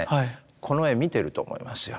この絵見てると思いますよ。